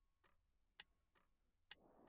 John Williams